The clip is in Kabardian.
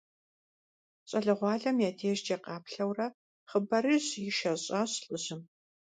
Щӏалэгъуалэм я дежкӏэ къаплъэурэ хъыбарыжь ишэщӀащ лӏыжьым.